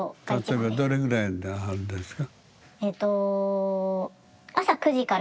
例えばどれぐらいあるんですか？